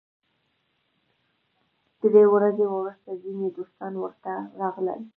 درې ورځې وروسته ځینې دوستان ورته راغلل.